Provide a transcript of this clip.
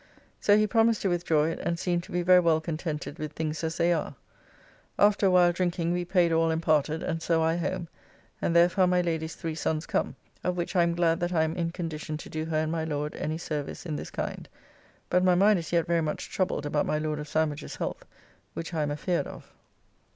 So he promised to withdraw it, and seemed to be very well contented with things as they are. After a while drinking, we paid all and parted, and so I home, and there found my Lady's three sons come, of which I am glad that I am in condition to do her and my Lord any service in this kind, but my mind is yet very much troubled about my Lord of Sandwich's health, which I am afeard of.